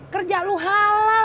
kerja lu halal